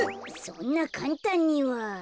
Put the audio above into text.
そんなかんたんには。